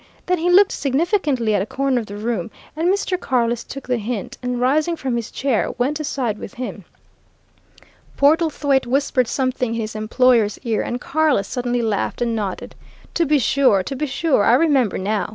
Then he looked significantly at a corner of the room, and Mr. Carless took the hint, and rising from his chair, went aside with him. Portlethwaite whispered something in his employer's ear, and Carless suddenly laughed and nodded. "To be sure to be sure I remember now!"